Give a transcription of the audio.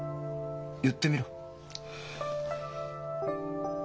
言ってみろ。